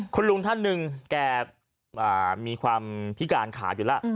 คุณลุงท่านหนึ่งแกมีความพิการขาดอยู่แล้ว